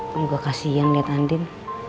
gue juga kasian liat andin